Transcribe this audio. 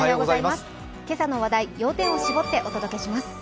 今朝の話題、要点を絞ってお届けします。